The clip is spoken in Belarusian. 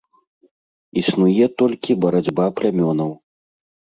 Існуе толькі барацьба плямёнаў.